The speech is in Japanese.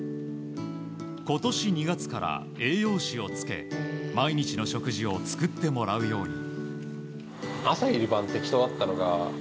今年２月から、栄養士をつけ毎日の食事を作ってもらうように。